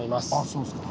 そうですか。